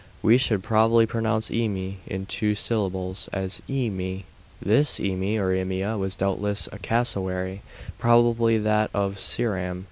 We should probably pronounce 'eme' in two syllables, as e mé. This eme or emia was doubtless a cassowary probably that of Ceram.